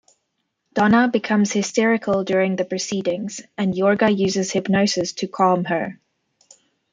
Donna becomes hysterical during the proceedings, and Yorga uses hypnosis to calm her.